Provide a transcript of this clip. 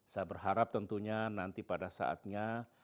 saya berharap tentunya nanti pada saatnya